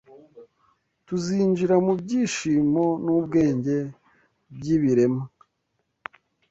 Tuzinjira mu byishimo n’ubwenge by’ibiremwa